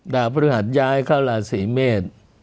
ดาวพระฤหัสย้ายเข้าลาศีเมศ